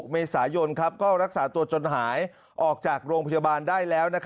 เมษายนก็รักษาตัวจนหายออกจากโรงพยาบาลได้แล้ว